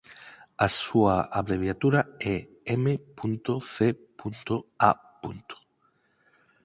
A súa abreviatura é m.c.a.